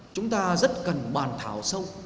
chúng ta rất cần bàn thảo sâu